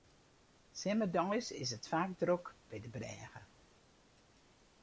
Simmerdeis is it faak drok by de brêge.